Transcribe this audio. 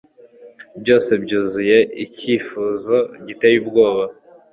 Byose byuzuye icyifuzo giteye ubwoba